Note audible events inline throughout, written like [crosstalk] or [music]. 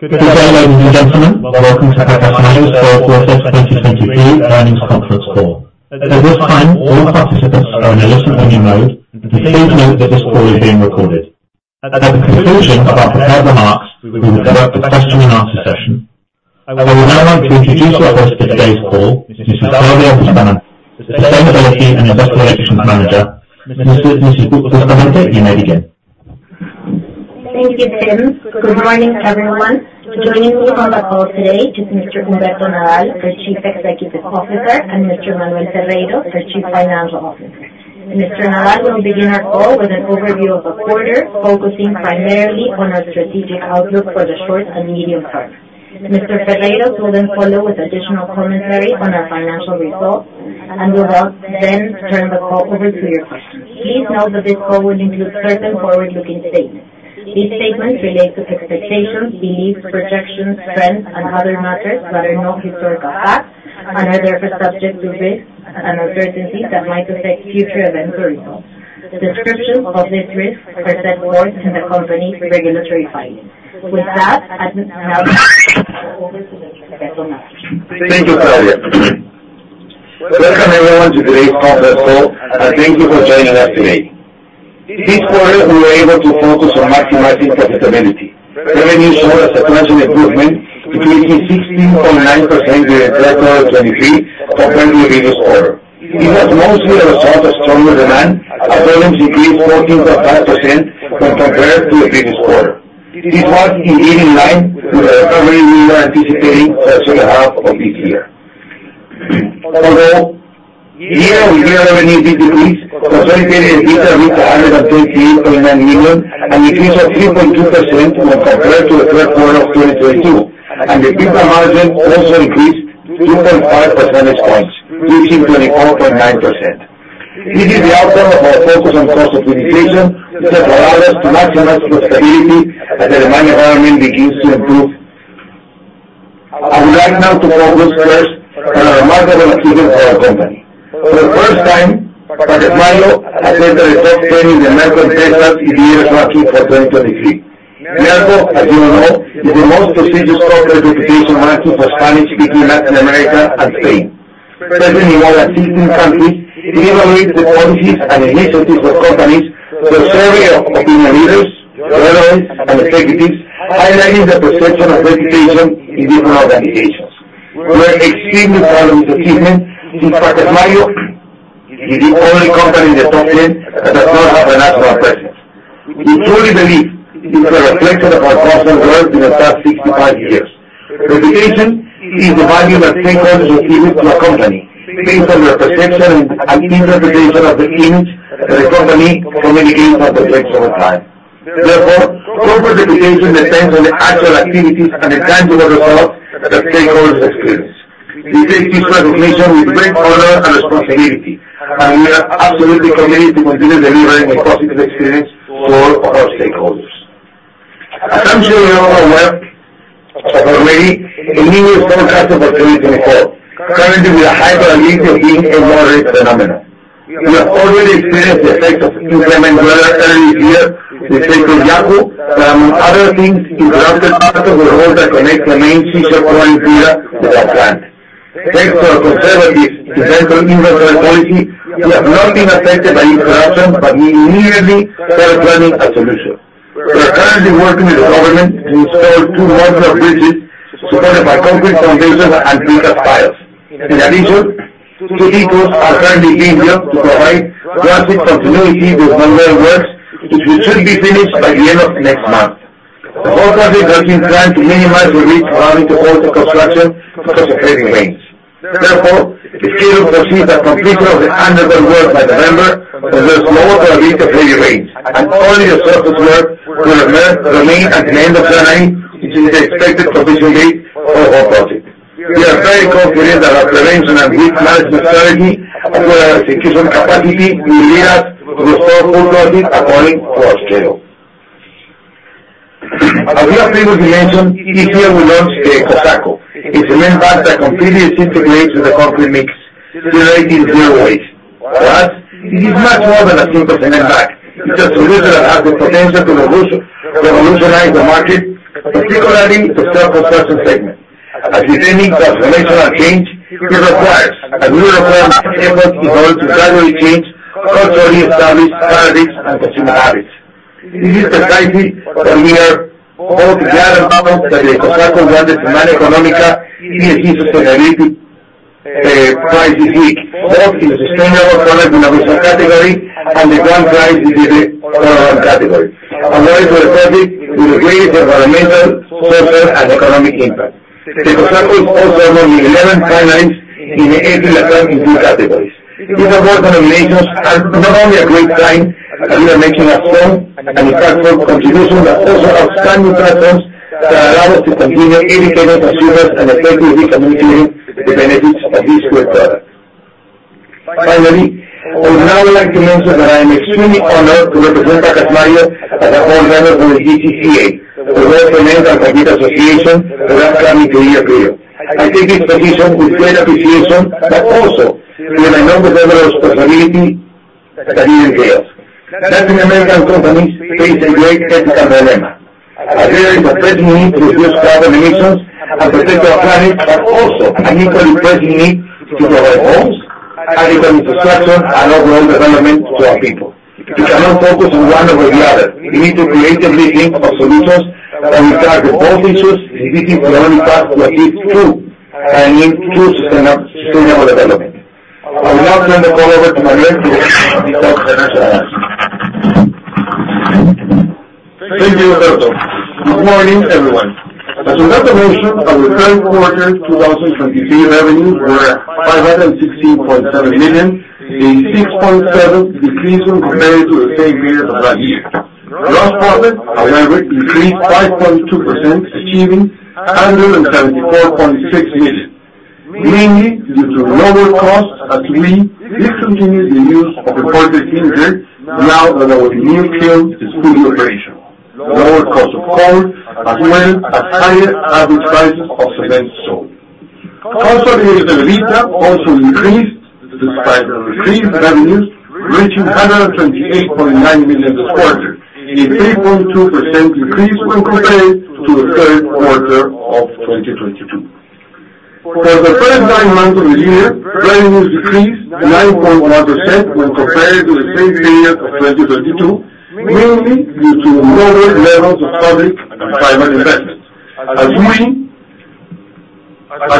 Good day, ladies and gentlemen. Welcome to Pacasmayo's Q4 2023 Earnings Conference Call. At this time, all participants are in a listen-only mode, and please note that this call is being recorded. At the conclusion of our prepared remarks, we will open up the question and answer session. I would now like to introduce your host for today's call, Mrs. Claudia Bustamante, Sustainability and Investor Relations Manager. Mrs. Bustamante, you may begin. Thank you, Tim. Good morning, everyone. Joining me on the call today is Mr. Humberto Nadal, the Chief Executive Officer, and Mr. Manuel Ferreyros, the Chief Financial Officer. Mr. Nadal will begin our call with an overview of the quarter, focusing primarily on our strategic outlook for the short and medium term. Mr. Ferreyros will then follow with additional commentary on our financial results, and we will then turn the call over to your questions. Please note that this call will include certain forward-looking statements. These statements relate to expectations, beliefs, projections, trends, and other matters that are not historical facts and are therefore subject to risks and uncertainties that might affect future events or results. Descriptions of these risks are set forth in the company's regulatory filings. With that, I'd now hand over to Mr. Humberto Nadal. Thank you, Claudia. Welcome, everyone, to today's conference call, and thank you for joining us today. This quarter, we were able to focus on maximizing profitability. Revenue showed a substantial improvement, increasing 16.9% compared to 2023 compared to the previous quarter. It was mostly a result of stronger demand, as volumes increased 14.5% when compared to the previous quarter. This was indeed in line with the recovery we are anticipating for the H2. Although year-on-year revenue did decrease, consolidated EBITDA reached PEN 128.9 million, an increase of 3.2% when compared to the Q3 of 2022, and the EBITDA margin also increased 2.5 percentage points, reaching 24.9%. This is the outcome of our focus on cost optimization, which has allowed us to maximize profitability as the demand environment begins to improve. I would like now to focus first on a remarkable achievement for our company. For the first time, Pacasmayo entered the top 10 in the Merco Reputación in the Merco Empresas ranking for 2023. Merco, as you all know, is the most prestigious corporate reputation ranking for Spanish-speaking Latin America and Spain. Present in more than 16 countries, it evaluates the policies and initiatives of companies through a survey of opinion leaders, journalists, and executives, highlighting the perception of reputation in different organizations. We are extremely proud of this achievement, since Pacasmayo is the only company in the top 10 that does not have a national presence. We truly believe it's a reflection of our constant growth in the past 65 years. Reputation is the value that stakeholders attribute to a company based on their perception and interpretation of the image that the company communicates and projects over time. Therefore, corporate reputation depends on the actual activities and the tangible results that the stakeholders experience. We take this recognition with great honor and responsibility, and we are absolutely committed to continue delivering a positive experience for all stakeholders. As I'm sure you're all aware of already, a new forecast for 2024, currently with a high probability of being a moderate phenomenon. We have already experienced the effects of inclement weather early this year, with Hurricane Yaku, that among other things, interrupted parts of the road that connect the main seashore going to our plant. Thanks to our conservative investment inventory policy, we have not been affected by interruptions, but we immediately started planning a solution. We are currently working with the government to install two modular bridges supported by concrete foundations and pilings. In addition, two depots are currently being built to provide traffic continuity with manual works, which should be finished by the end of next month. The whole project has been planned to minimize the risk of having to halt the construction because of heavy rains. Therefore, the schedule precedes the completion of the underground work by November, as there's lower probability of heavy rains, and all the surface work will remain at the end of July, which is the expected completion date for the whole project. We are very confident that our prevention and risk management strategy, as well as execution capacity, will lead us to restore full profit according to our schedule. As we have previously mentioned, this year we launched the Ecosaco. It's a cement bag that completely integrates with the concrete mix, generating zero waste. For us, it is much more than a simple cement bag. It's a solution that has the potential to revolutionize the market, particularly the self-construction segment. As with any transformational change, it requires a deliberate effort in order to gradually change culturally established habits and consumer habits. This is precisely why we are both proud and humbled that the Ecosaco won the Semana Económica ESG Sustainability Prize this week, both in the sustainable product innovation category and the Grand Prize in the overall category, an award for the project with the greatest environmental, social, and economic impact. The Ecosaco also won eleven finalists in the eight Latin American categories. These award nominations are not only a great sign that we are making a strong and impactful contribution, but also outstanding platforms that allow us to continue educating consumers and effectively communicating the benefits of this new product. Finally, I would now like to mention that I am extremely honored to represent Pacasmayo as a board member for the GCCA, the Global Cement and Concrete Association, for the upcoming two-year period. I take this position with great appreciation, but also with an enormous responsibility. Latin American companies face a great technical dilemma. There is a pressing need to reduce carbon emissions and protect our planet, but also an equally pressing need to provide homes, critical infrastructure, and overall development to our people. We cannot focus on one over the other. We need to creatively think of solutions that will target both issues, and this is the only path to achieve true and true sustainable, sustainable development. I will now turn the call over to Manuel to discuss the rest of us. Thank you, Humberto. Good morning, everyone. As Roberto mentioned, our Q3 2023 revenues were PEN 516.7 million, a 6.7% decrease when compared to the same period of last year. Gross profit, however, increased 5.2%, achieving PEN 174.6 million, mainly due to lower costs as we discontinued the use of imported clinker now that our new kiln is fully operational. Lower cost of coal, as well as higher average prices of cement sold. Consolidated EBITDA also increased despite the decreased revenues, reaching PEN 128.9 million this quarter, a 3.2% decrease when compared to the Q3 of 2022. For the first nine months of the year, revenues decreased 9.1% when compared to the same period of 2022, mainly due to lower levels of public and private investment, as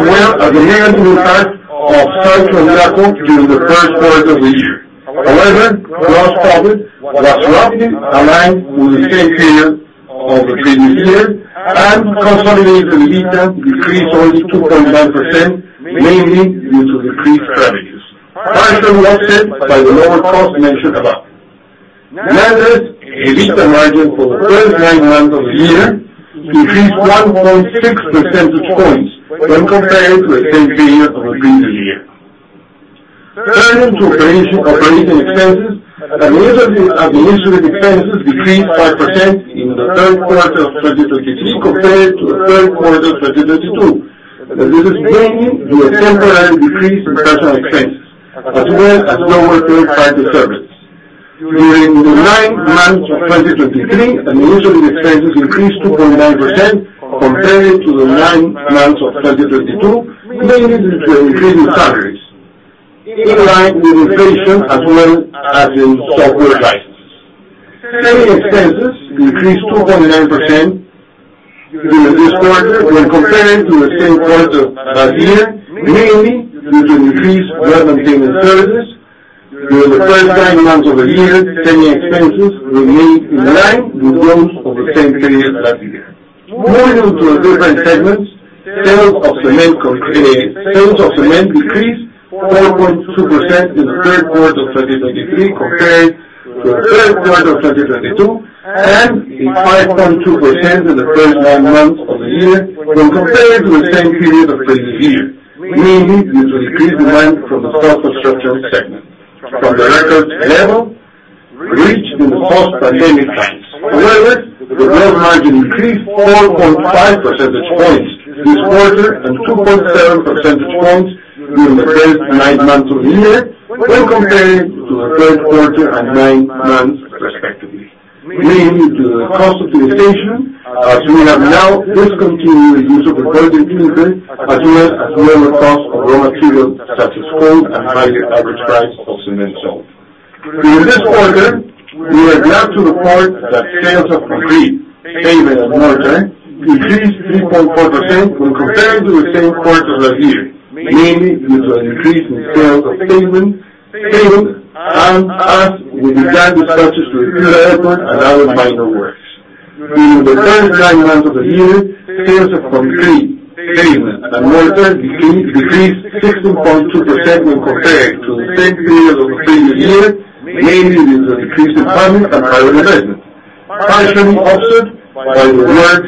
well as the negative impact of Cyclone Yaku during the Q1 of the year. However, gross profit was roughly aligned with the same period of the previous year, and consolidated EBITDA decreased only 2.9%, mainly due to decreased revenues, partially offset by the lower costs mentioned above. Nowadays, EBITDA margin for the first nine months of the year increased 1.6 percentage points when compared to the same period of the previous year. Turning to operating expenses, administrative and auxiliary expenses decreased 5% in the Q3 of 2023 compared to the Q3 of 2022. This is mainly due to a temporary decrease in personal expenses, as well as lower third-party services. During the nine months of 2023, administrative expenses increased 2.9% compared to the nine months of 2022, mainly due to an increase in salaries, in line with inflation as well as in software licenses. Selling expenses decreased 2.9% during this quarter when compared to the same quarter last year, mainly due to decreased maintenance services. During the first nine months of the year, selling expenses remained in line with those of the same period last year. Moving on to our different segments, sales of cement decreased 4.2% in the Q3 of 2023 compared to the Q3 of 2022, and 5.2% in the first nine months of the year when compared to the same period of the previous year, mainly due to a decrease in demand from the construction segment, from the record level reached in the post-pandemic times. However, the revenue margin increased 4.5 percentage points this quarter and 2.7 percentage points during the first nine months of the year when compared to the Q3 and nine months, respectively, mainly due to the cost optimization, as we have now discontinued the use of imported clinker, as well as lower cost of raw materials, such as coal and higher average price of cement sold. During this quarter, we are glad to report that sales of concrete, pavement, and mortar increased 3.4% when compared to the same quarter last year, mainly due to an increase in sales of pavement, pavement, and as with the guided purchases to repair efforts and other minor works. During the first nine months of the year, sales of concrete, pavement, and mortar decreased 16.2% when compared to the same period of the previous year, mainly due to a decrease in public and private investment, partially offset by the work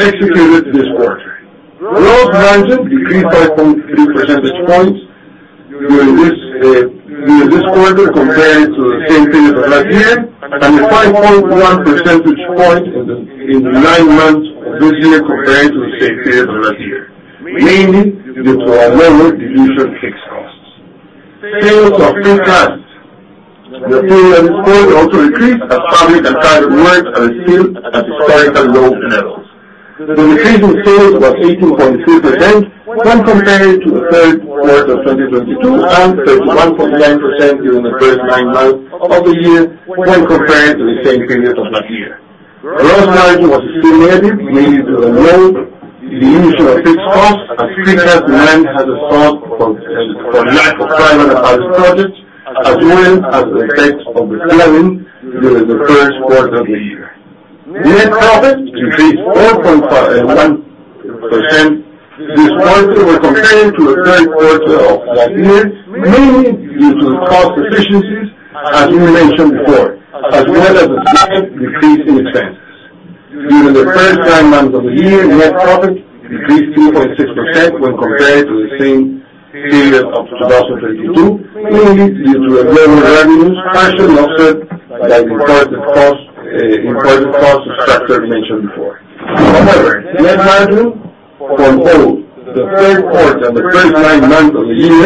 executed this quarter. Gross margin decreased 5.3 percentage points during this quarter compared to the same period of last year, and a 5.1 percentage point in the nine months of this year compared to the same period of last year, mainly due to a lower reduction in fixed costs. Sales of precast materials also decreased as public and private works are still at historically low levels. The decrease in sales was 18.6% when compared to the Q3 of 2022, and 31.9% during the first nine months of the year when compared to the same period of last year. Gross margin was stimulated, mainly due to the low reduction of fixed costs, as precast demand has stopped for lack of private and public projects, as well as the effect of the flooding during the Q1 of the year. Net profit decreased 4.1% this quarter when compared to the Q3 of last year, mainly due to the cost efficiencies, as we mentioned before, as well as the slight decrease in expenses. During the first nine months of the year, net profit decreased 2.6% when compared to the same period of 2022, mainly due to regular revenues, partially offset by the improved cost structure mentioned before. However, net margin-... for both the Q3 and the first nine months of the year,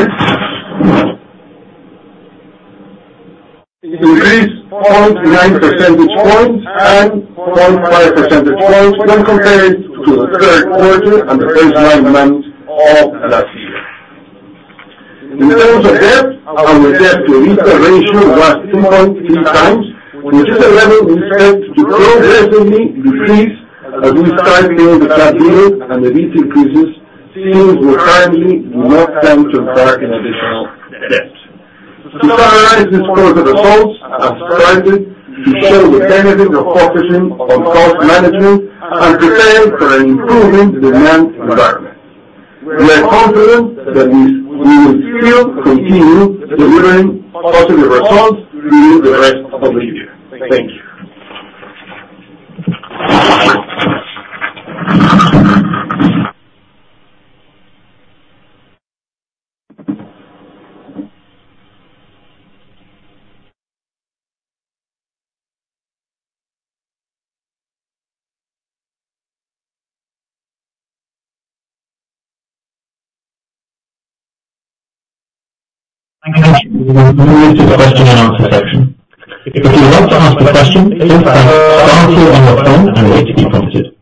increased 0.9 percentage points and 0.5 percentage points when compared to the Q3 and the first nine months of last year. In terms of debt, our debt-to-EBITDA ratio was 2.3x, which is a level we expect to progressively decrease as we start paying the debt due and the rate increases, since we currently do not plan to embark in additional debt. To summarize this quarter results, as stated, to show the benefit of focusing on cost management and prepare for an improving demand environment. We are confident that we, we will still continue delivering positive results through the rest of the year. Thank you. Thank you. We will move to the question and answer section. If you'd like to ask a question, please press star two on your phone and wait to be prompted.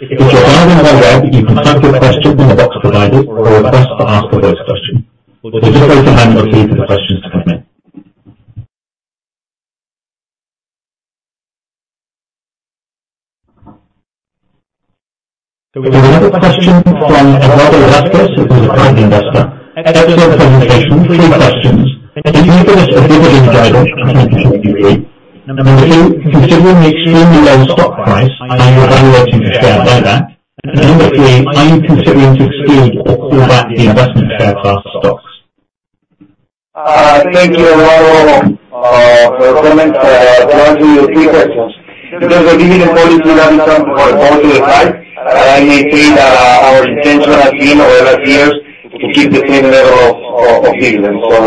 If you're dialing by web, you can type your question in the box provided or request to ask the first question. We'll just wait a moment for the questions to come in. So we have a question from [Alvaro Espinoza], who is a private investor. Excellent presentation. Three questions. Can you give us a dividend guidance for 2023? Number two, considering the extremely low stock price, are you evaluating a share buyback? And number three, are you considering to exclude or pull back the investment share class stocks? Thank you, [Alvaro], for comment, and for asking the three questions. Because we give you the policy that is done for the board to decide, I maintain, our intention has been over the years, to keep the same level of, of, dividends. [So,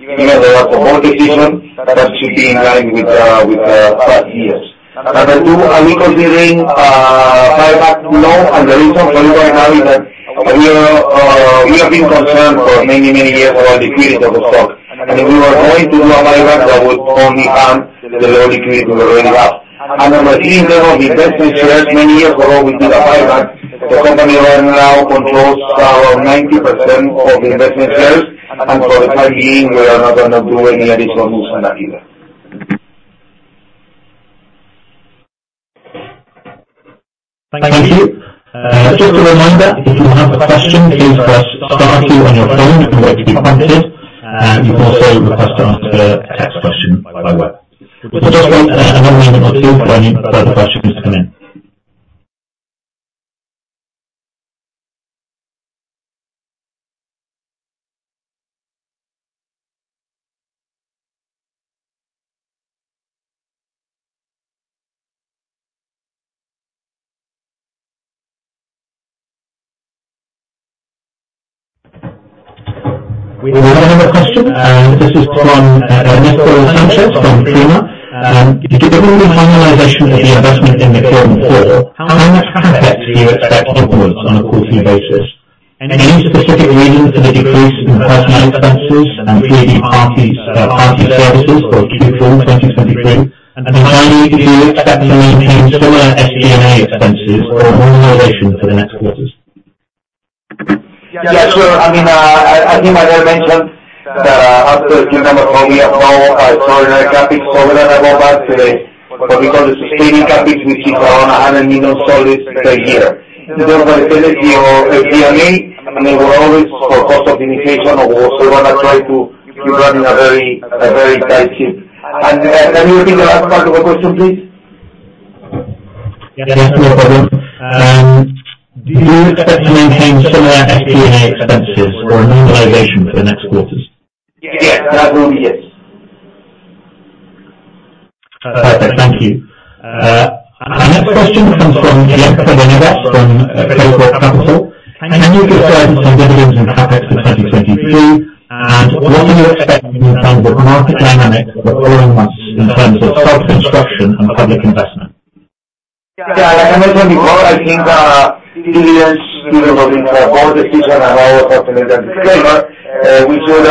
even though it was a board decision], that should be in line with, with, past years. Number two, are we considering, buyback? No, and the reason for right now is that we are, we have been concerned for many, many years about the liquidity of the stock. And if we were going to do a buyback, that would only harm the low liquidity we already have. And number three, about the investment shares, many years ago, we did a buyback. The company right now controls around 90% of the investment shares, and for the time being, we are not gonna do any additional moves on that either. Thank you. Just a reminder, if you have a question, please press star two on your phone and wait to be prompted. You can also request to ask a text question by web. We'll just wait a moment or two for any further questions to come in. We have another question, and this is from [Nicolas Sanchez] from [Sigma]. Given the finalization of the investment in the inaudible, how much CapEx do you expect to put on a quarterly basis? Any specific reason for the decrease in personal expenses and third-party party services for Q4 2023? And finally, do you expect to maintain similar SG&A expenses or normalization for the next quarters? Yeah, sure. I mean, I think as I mentioned, that after we have no extraordinary CapEx, [other than the road], today. But because of sustaining CapEx, we keep around PEN 100 million per year. In terms of SG&A, I mean, we're always for cost optimization, and we also wanna try to keep running a very tight ship. And, can you repeat the last part of the question, please? Yes, no problem. Do you expect to maintain similar SG&A expenses or normalization for the next quarters? Yes. That will be yes. Perfect. Thank you. Our next question comes from [Bianca Venegas], from Credicorp Capital. Can you give guidance on dividends and CapEx for 2023? And what do you expect in terms of market dynamics for the following months in terms of self-construction and public investment? Yeah, as I mentioned before, I think, dividends, even though it's a board decision and I always recommend in their favor, we should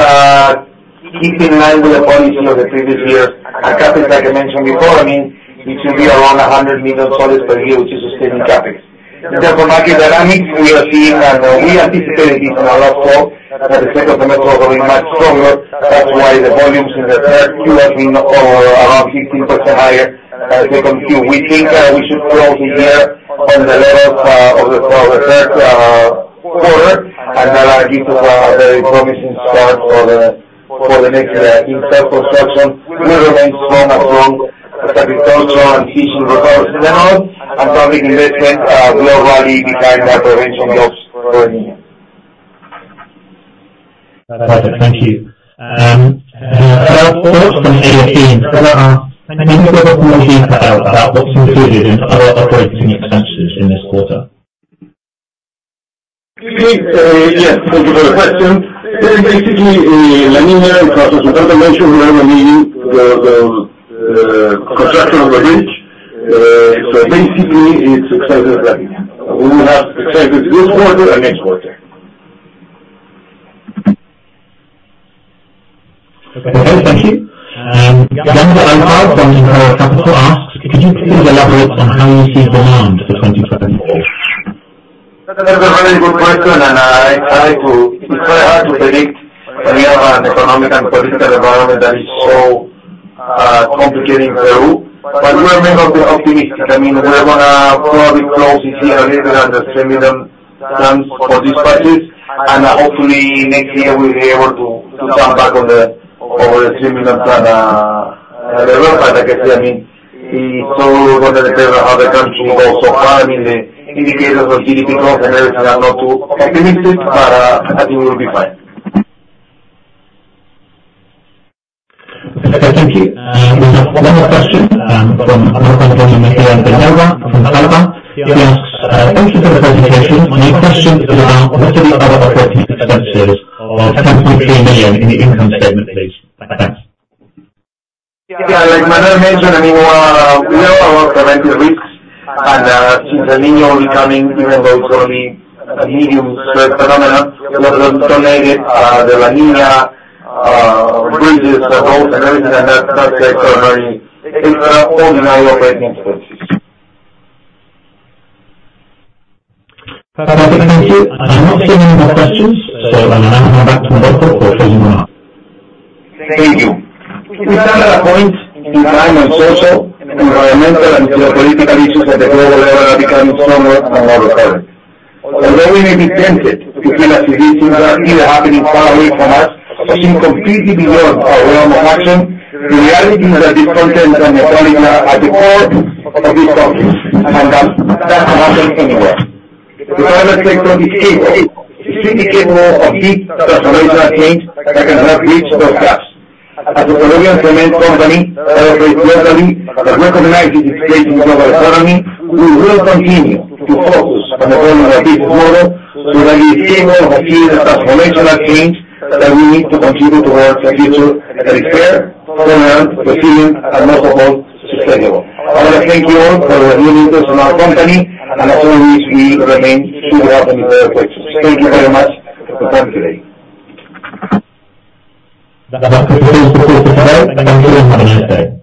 keep in line with the policy of the previous years. And CapEx, like I mentioned before, I mean, it should be around PEN 100 million per year, which is sustaining CapEx. In terms of market dynamics, we are seeing, and we anticipated this in our last call, that the sector of the mortar is going much stronger. That's why the volumes in the Q3 have been around 15% higher as we continue. We think we should close the year on the levels of the Q3, and that are giving us a very promising start for the next year. In self-construction, we remain strong as well. Agricultural and fishing recovered well, and public investment [will likely be higher than] the original goals for the year. Perfect. Thank you. From AFP, can you give a little more detail about what's included in other operating expenses in this quarter? Sure. Yes, thank you for the question. It is basically as I mentioned during the meeting, the construction of the bridge. So basically, it's expected that we will have expected this quarter and next quarter. Okay, thank you. [Sandra Rojas] from [Credicorp Capital] asks, could you please elaborate on how you see demand for 2024? That's a very good question. It's very hard to predict when we have an economic and political environment that is so complicated in Peru. But we remain optimistic. I mean, we're gonna probably close this year a little under 3 million tons for dispatches, and hopefully next year we'll be able to come back over the 3 million ton. But like I said, I mean, it's all going to depend on how the country goes so far. I mean, the indicators of GDP growth and everything are not too optimistic, but I think we'll be fine. Okay, thank you. We have one more question from. [inaudible] He asks, thank you for the presentation. My question is, what are the other operating expenses of PEN 10.3 million in the income statement, please? Thanks. Yeah, like Manuel mentioned, I mean, we are all preventing risks, and since La Niña will be coming, even though it's only a medium phenomenon, but also related, La Niña, bridges, the roads and everything, and that's extraordinary. It's ordinary operating expenses. Thank you. I'm not seeing any more questions, so I'll now hand back to Humberto for closing remarks. Thank you. We've come at a point in time when social, environmental, and geopolitical issues at the global level are becoming stronger and more recurrent. Although we may be tempted to feel as if these things are either happening far away from us or seem completely beyond our realm of action, the reality is that these are at the core of these topics, and that that's not happening anywhere. The private sector is capable, extremely capable of deep transformational change that can help bridge those gaps. As a Peruvian cement company that operates globally and recognizing its place in the global economy, we will continue to focus on evolving our business model to the sustainable and key transformational change that we need to contribute towards a future that is fair, permanent, resilient, and most of all, sustainable. I want to thank you all for your interest in our company, and as always, we remain to welcome your questions. Thank you very much for today. That concludes the call for today. Thank you very much.